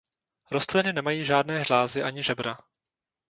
Rostliny nemají žádné žlázy ani žebra.